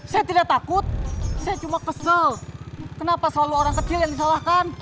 saya tidak takut saya cuma kesel kenapa selalu orang kecil yang disalahkan